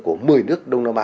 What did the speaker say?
của mười nước đông nam á